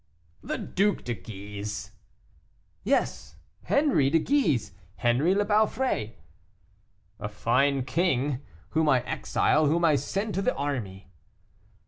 "The Duc de Guise!" "Yes, Henri de Guise, Henri le Balfré." "A fine king! whom I exile, whom I send to the army."